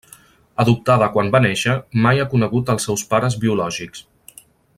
Adoptada quan va néixer, mai ha conegut els seus pares biològics.